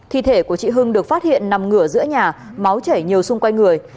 thi thể của chị hưng được phát hiện nằm ngửa giữa nhà máu chảy nhiều xung quanh người